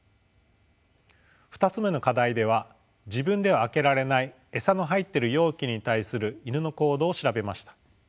２つ目の課題では自分では開けられない餌の入っている容器に対するイヌの行動を調べました。